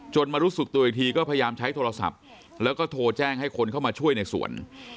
มารู้สึกตัวอีกทีก็พยายามใช้โทรศัพท์แล้วก็โทรแจ้งให้คนเข้ามาช่วยในสวน